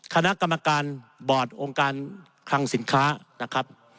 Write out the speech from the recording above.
คณะกรรมการบอร์ดองค์การคลังสินค้านะครับ